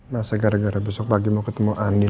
masa gara gara besok pagi mau ketemu andi